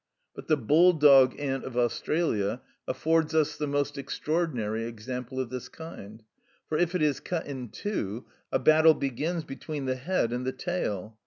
But the bulldog ant of Australia affords us the most extraordinary example of this kind; for if it is cut in two, a battle begins between the head and the tail.